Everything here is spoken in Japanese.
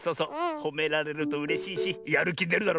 ほめられるとうれしいしやるきでるだろ。